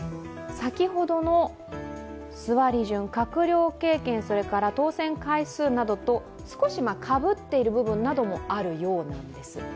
先ほどの座り順閣僚経験、当選回数などと少しかぶっている部分などもあるようなんです。